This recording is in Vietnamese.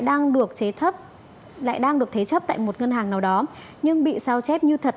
đang được chế thấp lại đang được thế chấp tại một ngân hàng nào đó nhưng bị sao chép như thật